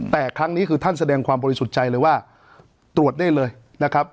แต่ครั้งนี้คือท่านแสดงความบริสุทธิ์ใจเลยว่าตรวจได้เลยนะครับ